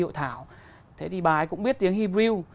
hội thảo thế thì bà ấy cũng biết tiếng hebrew